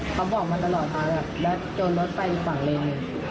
เขาบอกมาตลอดแล้วแล้วโจรรถไปอีกฝั่งเล็งหนึ่ง